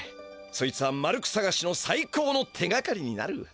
そいつはマルクさがしの最高の手がかりになる。